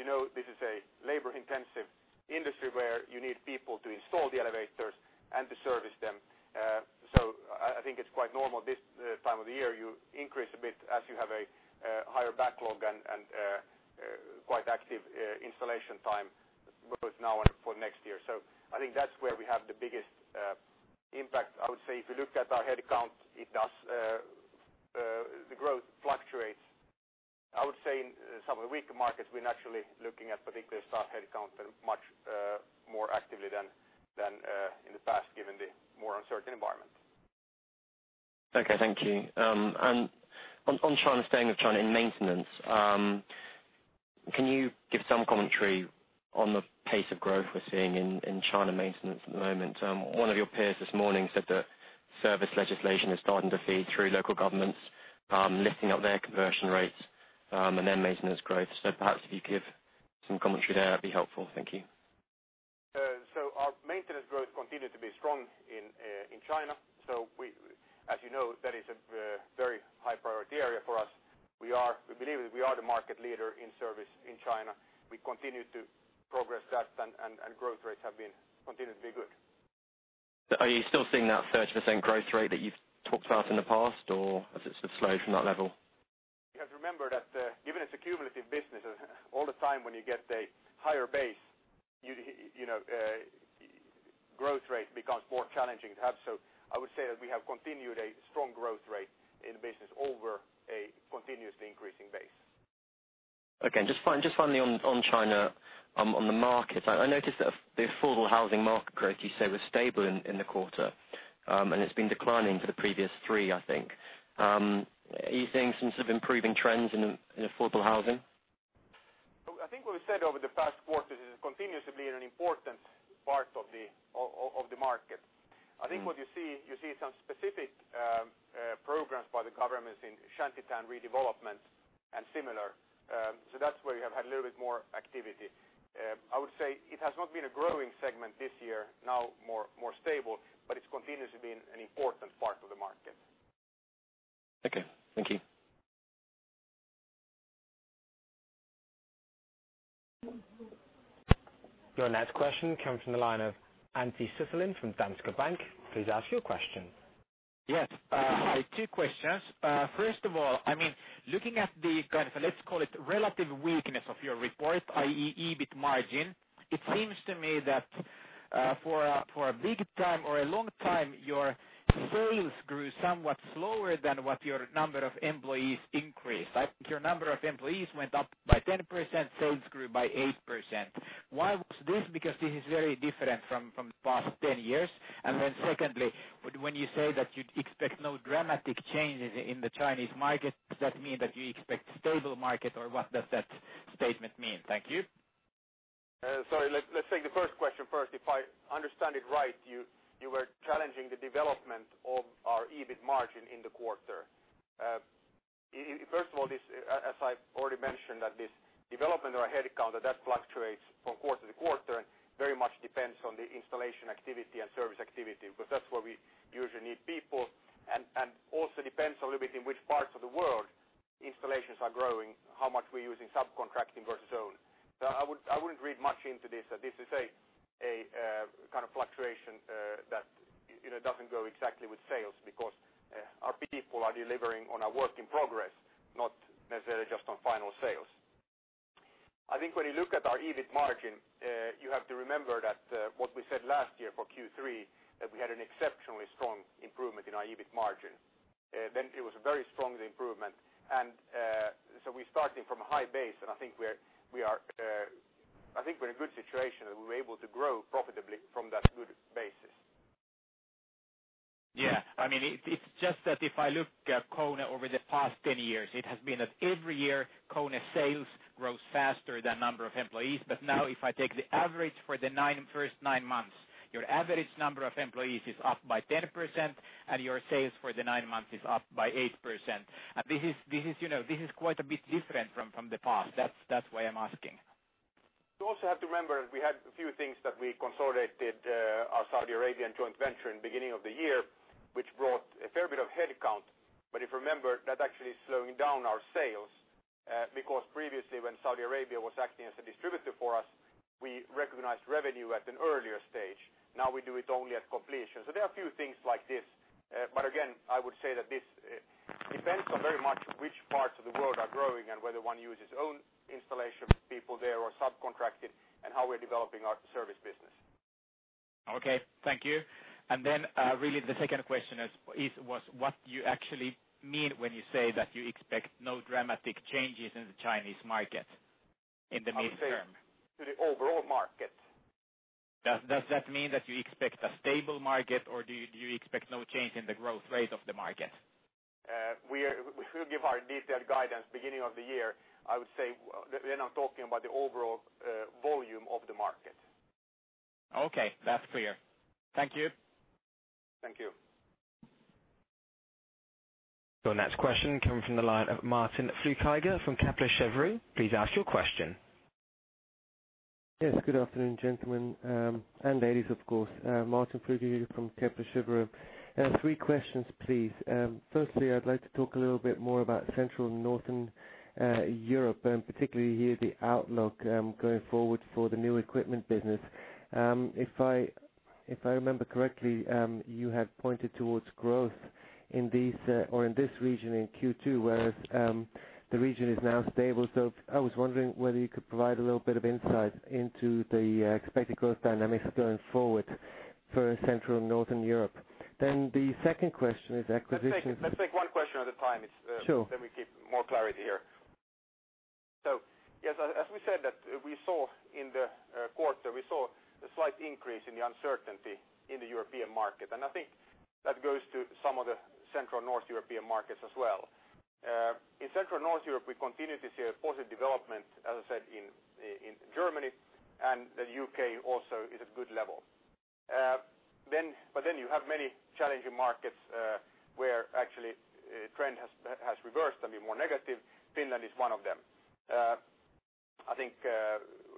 You know, this is a labor-intensive industry where you need people to install the elevators and to service them. I think it's quite normal this time of the year, you increase a bit as you have a higher backlog and quite active installation time, both now and for next year. I think that's where we have the biggest impact. I would say if you look at our headcount, the growth fluctuates. I would say in some of the weaker markets, we're naturally looking at particular staff headcounts much more actively than in the past, given the more uncertain environment. Okay, thank you. On China, staying with China, in maintenance. Can you give some commentary on the pace of growth we're seeing in China maintenance at the moment? One of your peers this morning said that service legislation is starting to feed through local governments, lifting up their conversion rates and their maintenance growth. Perhaps if you give some commentary there, that'd be helpful. Thank you. Our maintenance growth continued to be strong in China. As you know, that is a very high priority area for us. We believe we are the market leader in service in China. We continue to progress that and growth rates have continued to be good. Are you still seeing that 30% growth rate that you've talked about in the past or has it sort of slowed from that level? You have to remember that given it's a cumulative business all the time when you get a higher base, growth rate becomes more challenging to have. I would say that we have continued a strong growth rate in the business over a continuously increasing base. Okay. Just finally on China. On the markets, I noticed that the affordable housing market growth, you say, was stable in the quarter, and it's been declining for the previous three, I think. Are you seeing some sort of improving trends in affordable housing? I think what we've said over the past quarters is it continues to be an important part of the market. I think what you see, you see some specific programs by the governments in shantytown redevelopments and similar. That's where you have had a little bit more activity. I would say it has not been a growing segment this year. Now more stable, but it continues to be an important part of the market. Okay. Thank you. Your next question comes from the line of Antti Suttelin from Danske Bank. Please ask your question. Yes. I have two questions. First of all, looking at the, let's call it relative weakness of your report, i.e., EBIT margin, it seems to me that for a big time or a long time, your sales grew somewhat slower than what your number of employees increased. I think your number of employees went up by 10%, sales grew by 8%. Why was this? This is very different from the past 10 years. Secondly, when you say that you'd expect no dramatic changes in the Chinese market, does that mean that you expect stable market, or what does that statement mean? Thank you. Sorry, let's take the first question first. If I understand it right, you were challenging the development of our EBIT margin in the quarter. First of all, as I've already mentioned, that this development or headcount that fluctuates from quarter to quarter, very much depends on the installation activity and service activity, because that's where we usually need people and also depends a little bit in which parts of the world installations are growing, how much we're using subcontracting versus own. I wouldn't read much into this. This is a kind of fluctuation that doesn't go exactly with sales because our people are delivering on our work in progress, not necessarily just on final sales. I think when you look at our EBIT margin, you have to remember that what we said last year for Q3, that we had an exceptionally strong improvement in our EBIT margin. It was a very strong improvement. We're starting from a high base, and I think we're in a good situation and we're able to grow profitably from that good basis. Yeah. It's just that if I look at KONE over the past 10 years, it has been that every year, KONE sales grows faster than number of employees. Now if I take the average for the first nine months, your average number of employees is up by 10%, and your sales for the nine months is up by 8%. This is quite a bit different from the past. That's why I'm asking. You also have to remember, we had a few things that we consolidated our Saudi Arabian joint venture in beginning of the year, which brought a fair bit of headcount. If you remember, that actually is slowing down our sales, because previously, when Saudi Arabia was acting as a distributor for us, we recognized revenue at an earlier stage. Now we do it only at completion. There are a few things like this. Again, I would say that this depends on very much which parts of the world are growing and whether one uses own installation people there or subcontracted and how we're developing our service business. Okay. Thank you. Really the second question is, what you actually mean when you say that you expect no dramatic changes in the Chinese market in the midterm? I would say to the overall market. Does that mean that you expect a stable market, or do you expect no change in the growth rate of the market? We will give our detailed guidance beginning of the year. I'm talking about the overall volume of the market. Okay. That's clear. Thank you. Thank you. Your next question coming from the line of Martin Flueckiger from Kepler Cheuvreux. Please ask your question. Yes, good afternoon, gentlemen, and ladies, of course. Martin Flueckiger from Kepler Cheuvreux. Three questions, please. Firstly, I'd like to talk a little bit more about Central and Northern Europe, and particularly here the outlook going forward for the new equipment business. If I remember correctly, you have pointed towards growth in this region in Q2, whereas the region is now stable. I was wondering whether you could provide a little bit of insight into the expected growth dynamics going forward for Central and Northern Europe. The second question is acquisitions- Let's take one question at a time. Sure. We keep more clarity here. Yes, as we said that we saw in the quarter, we saw a slight increase in the uncertainty in the European market. I think that goes to some of the Central North European markets as well. In Central North Europe, we continue to see a positive development, as I said, in Germany, and the U.K. also is at good level. You have many challenging markets, where actually trend has reversed and been more negative. Finland is one of them. I think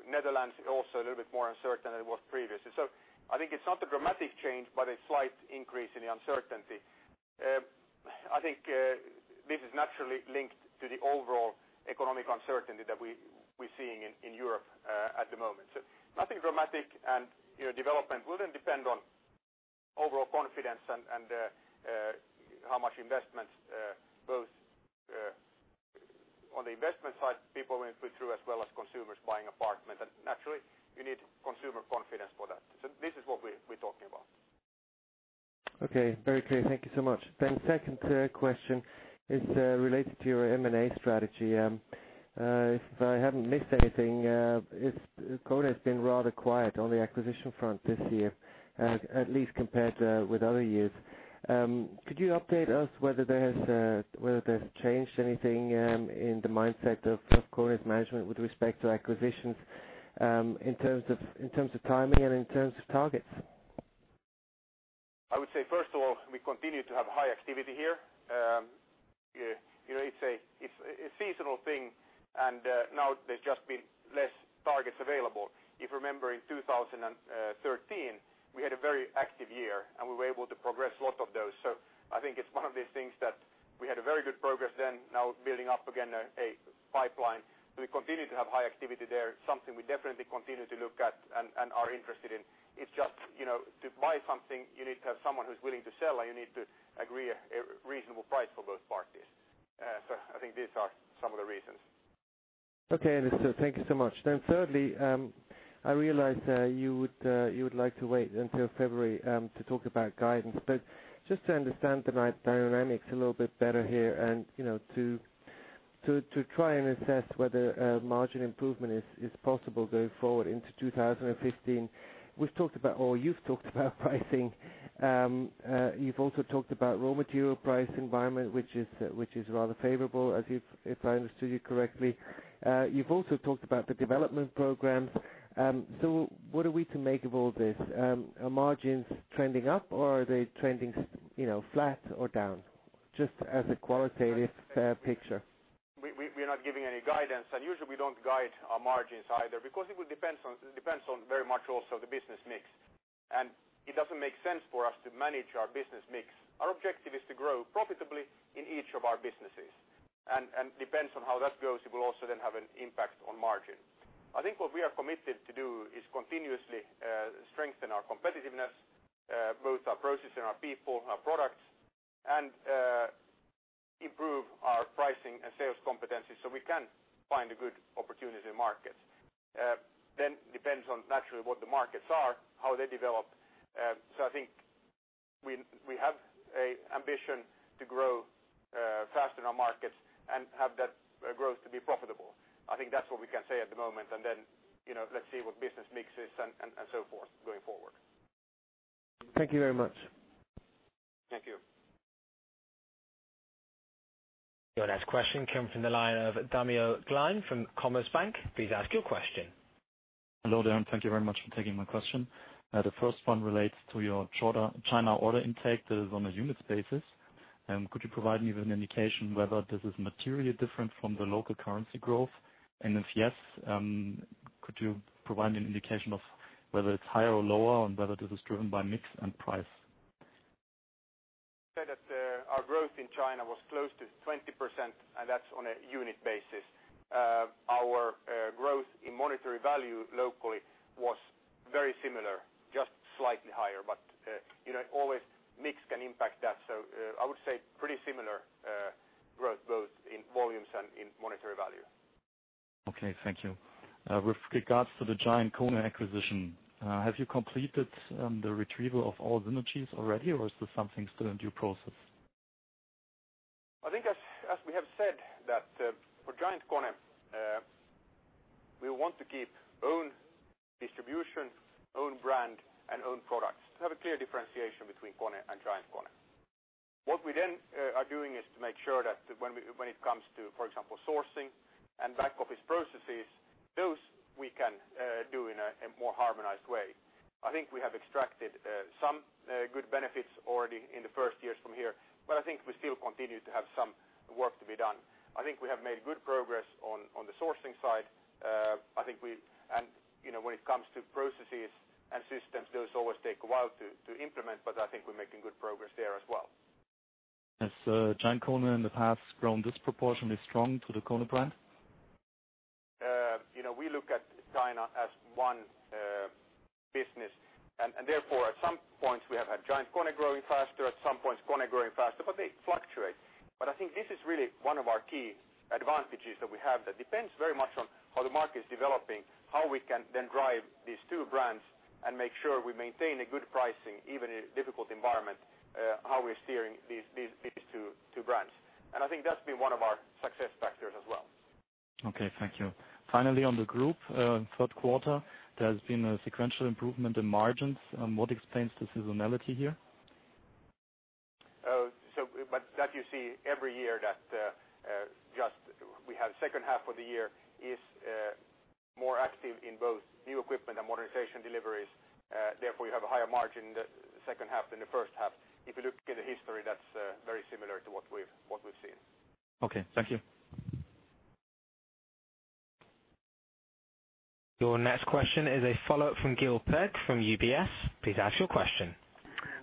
Netherlands also a little bit more uncertain than it was previously. I think it's not a dramatic change, but a slight increase in the uncertainty. I think this is naturally linked to the overall economic uncertainty that we're seeing in Europe at the moment. Nothing dramatic and development will then depend on overall confidence and how much investments both on the investment side people want to put through as well as consumers buying apartment. Naturally you need consumer confidence for that. This is what we're talking about. Second question is related to your M&A strategy. If I haven't missed anything, KONE has been rather quiet on the acquisition front this year, at least compared with other years. Could you update us whether there has changed anything in the mindset of KONE's management with respect to acquisitions in terms of timing and in terms of targets? I would say, first of all, we continue to have high activity here. It's a seasonal thing, now there's just been less targets available. If you remember in 2013, we had a very active year, we were able to progress lots of those. I think it's one of these things that we had a very good progress then, now building up again a pipeline. We continue to have high activity there, something we definitely continue to look at and are interested in. It's just to buy something, you need to have someone who's willing to sell, and you need to agree a reasonable price for both parties. I think these are some of the reasons. Okay. Understood. Thank you so much. Thirdly, I realize you would like to wait until February to talk about guidance, just to understand the dynamics a little bit better here and to try and assess whether a margin improvement is possible going forward into 2015. You've talked about pricing. You've also talked about raw material price environment, which is rather favorable if I understood you correctly. You've also talked about the development programs. What are we to make of all this? Are margins trending up or are they trending flat or down? Just as a qualitative picture. We are not giving any guidance, usually we don't guide our margins either, because it will depends on very much also the business mix. It doesn't make sense for us to manage our business mix. Our objective is to grow profitably in each of our businesses. Depends on how that goes, it will also then have an impact on margin. I think what we are committed to do is continuously strengthen our competitiveness both our process and our people, our products, and improve our pricing and sales competencies so we can find a good opportunity in markets. Depends on naturally what the markets are, how they develop. I think we have a ambition to grow fast in our markets and have that growth to be profitable. I think that's what we can say at the moment, then let's see what business mix is and so forth going forward. Thank you very much. Thank you. Your next question comes from the line of Damian Klein from Commerzbank. Please ask your question. Hello there, thank you very much for taking my question. The first one relates to your China order intake that is on a unit basis. Could you provide me with an indication whether this is materially different from the local currency growth? If yes, could you provide an indication of whether it's higher or lower and whether this is driven by mix and price? Say that our growth in China was close to 20%, and that's on a unit basis. Our growth in monetary value locally was very similar, just slightly higher. Always mix can impact that. I would say pretty similar growth both in volumes and in monetary value. Okay. Thank you. With regards to the GiantKONE acquisition, have you completed the retrieval of all synergies already, or is there something still in due process? I think as we have said that for GiantKONE, we want to keep own distribution, own brand, and own products to have a clear differentiation between KONE and GiantKONE. What we are doing is to make sure that when it comes to, for example, sourcing and back office processes, those we can do in a more harmonized way. I think we have extracted some good benefits already in the first years from here, but I think we still continue to have some work to be done. I think we have made good progress on the sourcing side. When it comes to processes and systems, those always take a while to implement, but I think we're making good progress there as well. Has GiantKONE in the past grown disproportionately strong to the KONE? We look at China as one business. Therefore, at some points we have had GiantKONE growing faster, at some points KONE growing faster, but they fluctuate. I think this is really one of our key advantages that we have that depends very much on how the market is developing, how we can then drive these two brands and make sure we maintain a good pricing, even in a difficult environment, how we're steering these two brands. I think that's been one of our success factors as well. Okay. Thank you. Finally, on the group, third quarter, there's been a sequential improvement in margins. What explains the seasonality here? That you see every year that just we have second half of the year is more active in both new equipment and modernization deliveries. Therefore, you have a higher margin the second half than the first half. If you look at the history, that's very similar to what we've seen. Okay. Thank you. Your next question is a follow-up from Guillaume Peigne from UBS. Please ask your question.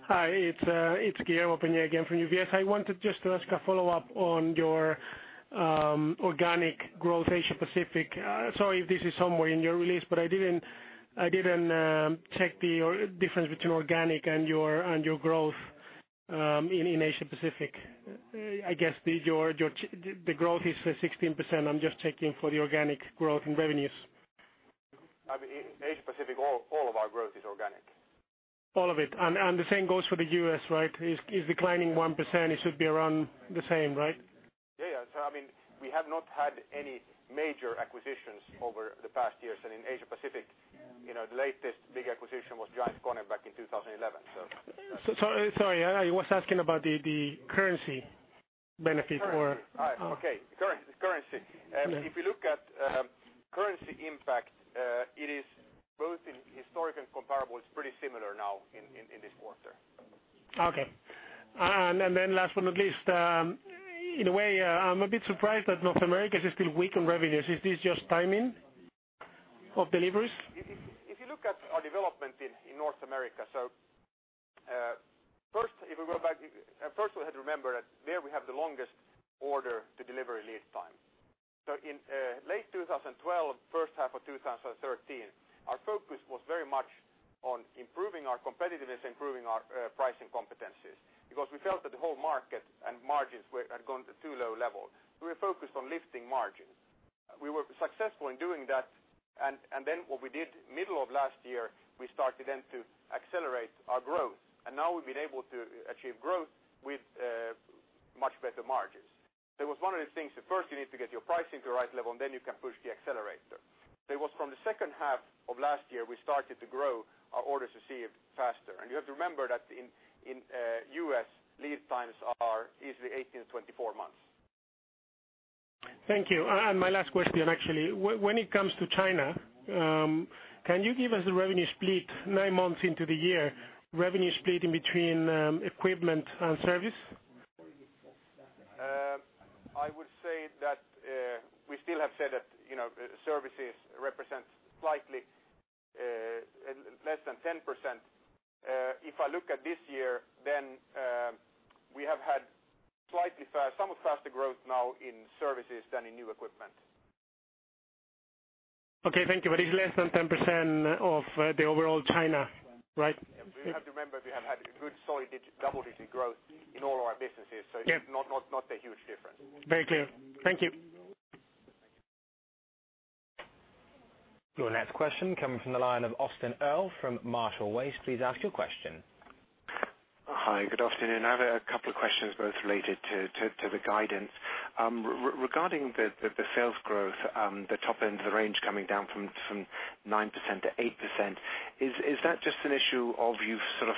Hi, it's Guillaume Peigne again from UBS. I wanted just to ask a follow-up on your organic growth Asia Pacific. Sorry if this is somewhere in your release, but I didn't check the difference between organic and your growth in Asia Pacific. I guess the growth is 16%. I'm just checking for the organic growth in revenues. In Asia Pacific, all of our growth is organic. All of it? The same goes for the U.S., right? It's declining 1%, it should be around the same, right? Yeah. We have not had any major acquisitions over the past years. In Asia Pacific, the latest big acquisition was GiantKONE back in 2011. Sorry, I was asking about the currency benefit. Currency. Okay. Currency. Yeah. If you look at currency impact, it is both in historic and comparable. It is pretty similar now in this quarter. Okay. Last but not least, in a way, I am a bit surprised that North America is still weak in revenues. Is this just timing of deliveries? If you look at our development in North America. First, we have to remember that there we have the longest order to delivery lead time. In late 2012, first half of 2013, our focus was very much on improving our competitiveness, improving our pricing competencies, because we felt that the whole market and margins had gone to too low level. We were focused on lifting margins. We were successful in doing that, and then what we did middle of last year, we started then to accelerate our growth. Now we have been able to achieve growth with much better margins. It was one of the things that first you need to get your pricing to the right level, and then you can push the accelerator. It was from the second half of last year, we started to grow our orders received faster. You have to remember that in U.S., lead times are easily 18 to 24 months. Thank you. My last question, actually. When it comes to China, can you give us the revenue split nine months into the year, revenue split in between equipment and service? I would say that we still have said that services represents slightly less than 10%. If I look at this year, we have had slightly some of faster growth now in services than in new equipment. Okay, thank you. It's less than 10% of the overall China, right? You have to remember, we have had a good solid double-digit growth in all our businesses. Yeah. It is not a huge difference. Very clear. Thank you. Your next question comes from the line of Austin Earl from Marshall Wace. Please ask your question. Hi, good afternoon. I have a couple of questions, both related to the guidance. Regarding the sales growth, the top end of the range coming down from 9% to 8%, is that just an issue of you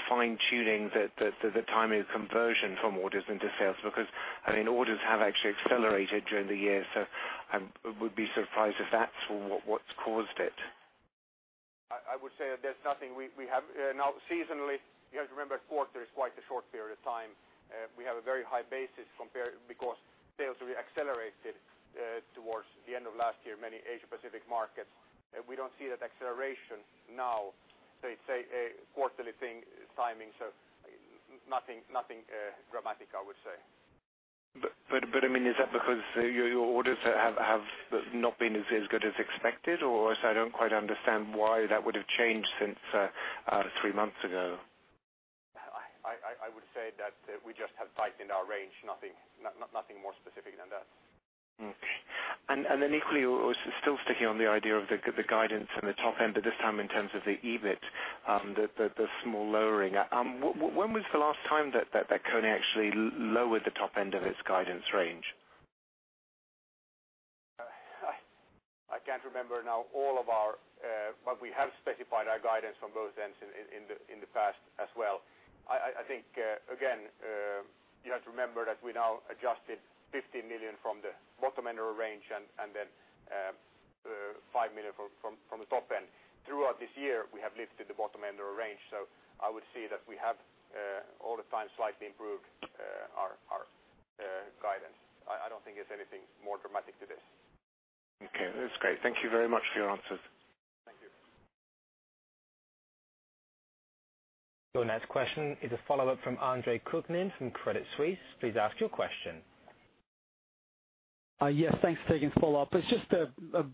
fine-tuning the timing of conversion from orders into sales? Orders have actually accelerated during the year, so I would be surprised if that is what has caused it. I would say that there's nothing. Seasonally, you have to remember, a quarter is quite a short period of time. We have a very high basis because sales re-accelerated towards the end of last year, many Asia Pacific markets. We don't see that acceleration now. It's a quarterly thing, timing, nothing dramatic, I would say. Is that because your orders have not been as good as expected? I don't quite understand why that would have changed since three months ago. I would say that we just have tightened our range, nothing more specific than that. Okay. Equally, still sticking on the idea of the guidance and the top end, this time in terms of the EBIT, the small lowering. When was the last time that KONE actually lowered the top end of its guidance range? I can't remember now. We have specified our guidance from both ends in the past as well. I think, again, you have to remember that we now adjusted 15 million from the bottom end of our range and then 5 million from the top end. Throughout this year, we have lifted the bottom end of our range. I would say that we have all the time slightly improved our guidance. I don't think it's anything more dramatic to this. Okay, that's great. Thank you very much for your answers. Thank you. Your next question is a follow-up from Andre Kukhnin from Credit Suisse. Please ask your question. Yes, thanks for taking the follow-up. It's just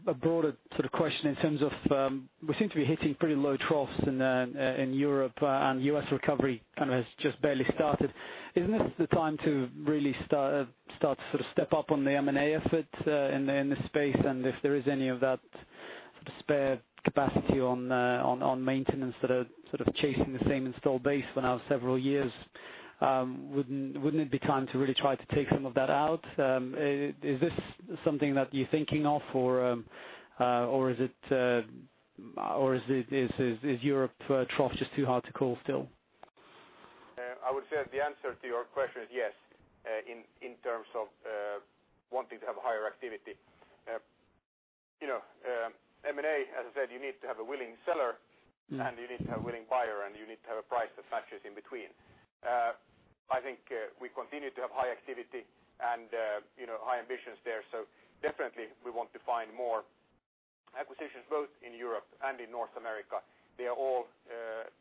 a broader sort of question in terms of, we seem to be hitting pretty low troughs in Europe and U.S. recovery kind of has just barely started. Isn't this the time to really start to step up on the M&A effort in this space? If there is any of that spare capacity on maintenance that are sort of chasing the same install base for now several years, wouldn't it be time to really try to take some of that out? Is this something that you're thinking of, or is Europe trough just too hard to call still? I would say that the answer to your question is yes, in terms of wanting to have a higher activity. M&A, as I said, you need to have a willing seller and you need to have a willing buyer, and you need to have a price that matches in between. I think we continue to have high activity and high ambitions there. Definitely we want to find more acquisitions both in Europe and in North America. They are all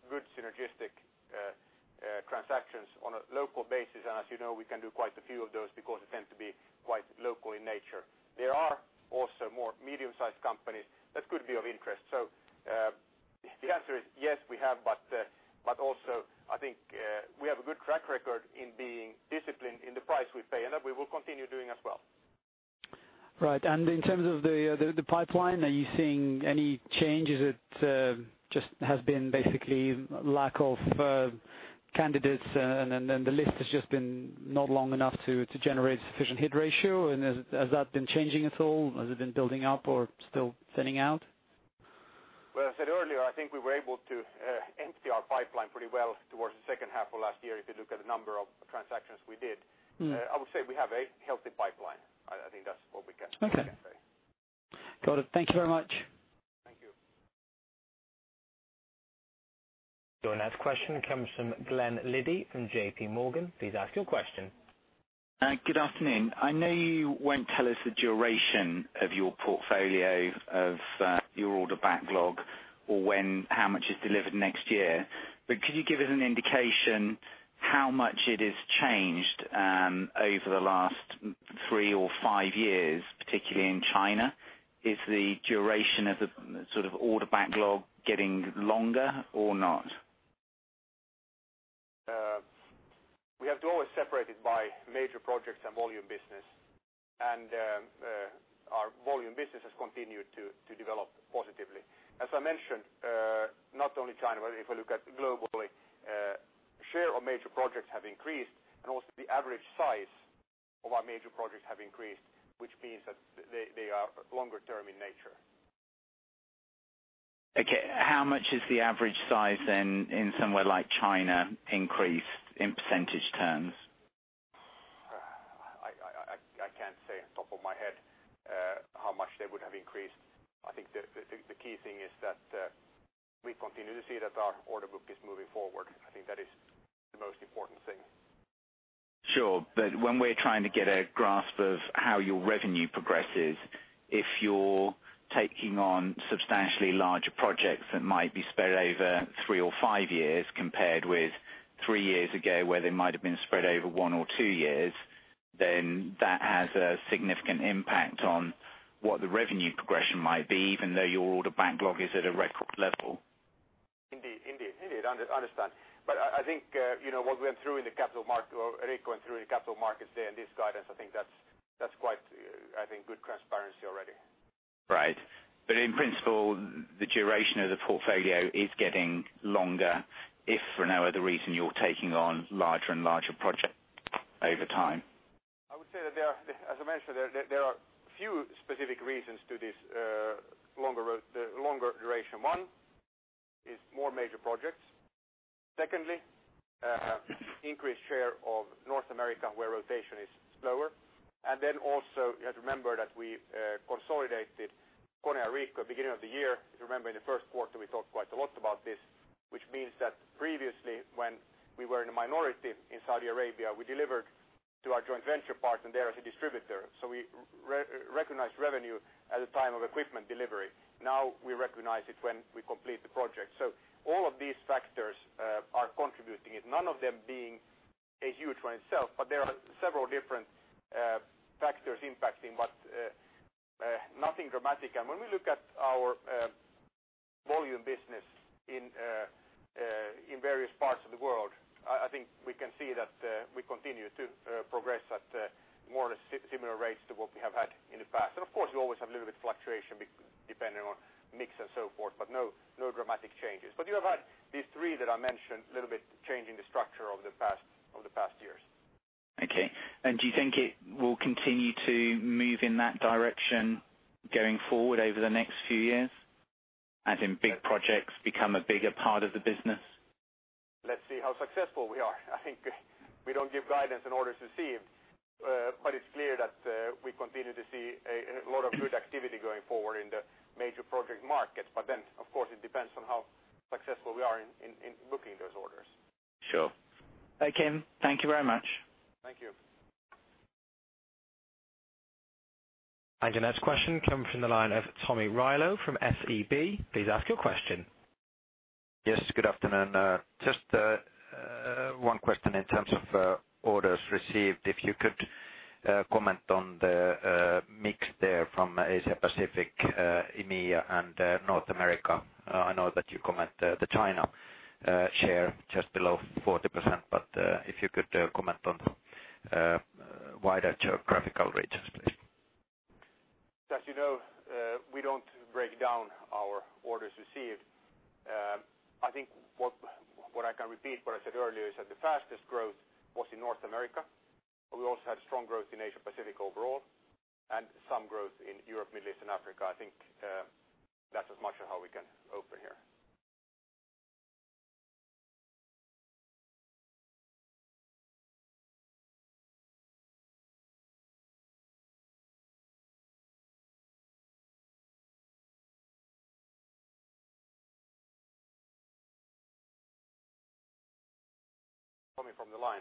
good synergistic transactions on a local basis. As you know, we can do quite a few of those because they tend to be quite local in nature. There are also more medium-sized companies that could be of interest. The answer is yes, we have, but also, I think we have a good track record in being disciplined in the price we pay, and that we will continue doing as well. Right. In terms of the pipeline, are you seeing any changes that just has been basically lack of candidates, and then the list has just been not long enough to generate sufficient hit ratio? Has that been changing at all? Has it been building up or still thinning out? Well, as I said earlier, I think we were able to empty our pipeline pretty well towards the second half of last year if you look at the number of transactions we did. I would say we have a healthy pipeline. I think that's what we can say. Okay. Got it. Thank you very much. Thank you. Your next question comes from Glen Liddy from J.P. Morgan. Please ask your question. Good afternoon. I know you won't tell us the duration of your portfolio of your order backlog or how much is delivered next year. Could you give us an indication how much it has changed over the last three or five years, particularly in China? Is the duration of the order backlog getting longer or not? We have always separated by major projects and volume business. Our volume business has continued to develop positively. As I mentioned, not only China, but if we look at globally, share of major projects have increased and also the average size of our major projects have increased, which means that they are longer term in nature. Okay. How much is the average size then in somewhere like China increased in percentage terms? I can't say on top of my head how much they would have increased. I think the key thing is that we continue to see that our order book is moving forward. I think that is the most important thing. Sure. When we're trying to get a grasp of how your revenue progresses, if you're taking on substantially larger projects that might be spread over three or five years, compared with three years ago where they might have been spread over one or two years, then that has a significant impact on what the revenue progression might be, even though your order backlog is at a record level. Indeed. I understand. I think what we went through in the capital market or are going through in the capital markets there in this guidance, I think that's quite good transparency already. Right. In principle, the duration of the portfolio is getting longer if for no other reason you're taking on larger and larger project over time. I would say that, as I mentioned, there are few specific reasons to this longer duration. One is more major projects. Secondly, increased share of North America, where rotation is slower. Also, you have to remember that we consolidated KONE Areeco beginning of the year. If you remember in the first quarter, we talked quite a lot about this, which means that previously when we were in a minority in Saudi Arabia, we delivered to our joint venture partner there as a distributor. We recognized revenue at the time of equipment delivery. Now we recognize it when we complete the project. All of these factors are contributing, none of them being a huge one itself, but there are several different factors impacting, but nothing dramatic. When we look at our volume business in various parts of the world, I think we can see that we continue to progress at more or similar rates to what we have had in the past. Of course, we always have a little bit fluctuation depending on mix and so forth, but no dramatic changes. You have had these three that I mentioned a little bit changing the structure over the past years. Okay. Do you think it will continue to move in that direction going forward over the next few years? As in big projects become a bigger part of the business? Let's see how successful we are. I think we don't give guidance in orders received, but it's clear that we continue to see a lot of good activity going forward in the major project markets. Of course, it depends on how successful we are in booking those orders. Sure. Okay. Thank you very much. Thank you. The next question comes from the line of Tomi Railo from SEB. Please ask your question. Yes, good afternoon. Just one question in terms of orders received. If you could comment on the mix there from Asia-Pacific, EMEA, and North America. I know that you comment the China share just below 40%, but if you could comment on wider geographical regions, please. As you know, we don't break down our orders received. I think what I can repeat what I said earlier is that the fastest growth was in North America. We also had strong growth in Asia-Pacific overall and some growth in Europe, Middle East, and Africa. I think that's as much of how we can open here. Tomi from the line.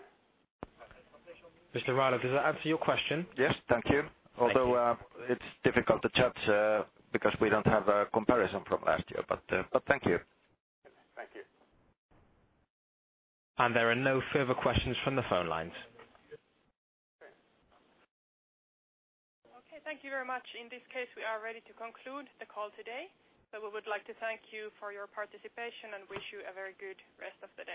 Mr. Railo, does that answer your question? Yes. Thank you. Although it's difficult to judge because we don't have a comparison from last year. Thank you. Thank you. There are no further questions from the phone lines. Okay. Okay, thank you very much. In this case, we are ready to conclude the call today. We would like to thank you for your participation and wish you a very good rest of the day.